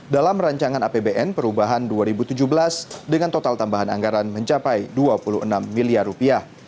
dalam rancangan apbn perubahan dua ribu tujuh belas dengan total tambahan anggaran mencapai dua puluh enam miliar rupiah